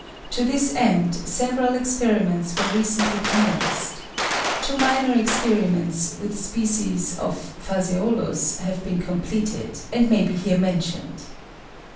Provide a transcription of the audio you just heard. To this end several experiments were recently commenced. Two minor experiments with species of Phaseolus have been completed, and may be here mentioned.